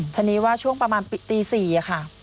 ทีนี้ว่าช่วงประมาณตี๔ค่ะ